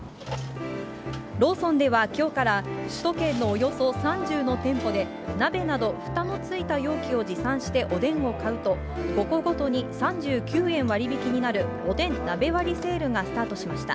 ローソンではきょうから、首都圏のおよそ３０の店舗で鍋などふたの付いた容器を持参しておでんを買うと、５個ごとに３９円割引になる、おでん鍋割セールがスタートしました。